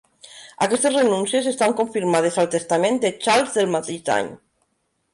Aquestes renúncies estan confirmades al testament de Charles del mateix any.